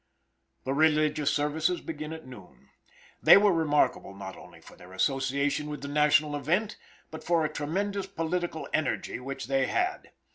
The religious services began at noon. They were remarkable not only for their association with the national event, but for a tremendous political energy which they had.